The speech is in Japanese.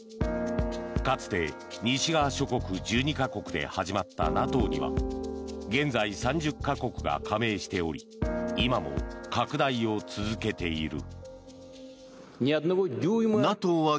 かつて、西側諸国１２か国で始まったＮＡＴＯには現在３０か国が加盟しており今も拡大を続けている。